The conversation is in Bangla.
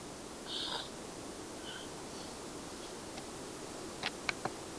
কী সুন্দর পারফরম্যান্স!